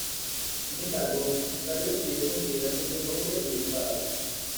Sin embargo, su cargo siguió considerándose noble y de espada.